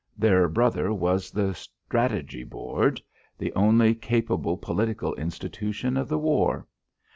Their brother was the Strategy Board the only capable political institution of the war.